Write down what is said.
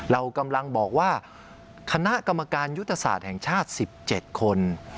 เรากำลังบอกว่าคณะกรรมการยุทธศาสตร์แห่งชาติ๑๗คน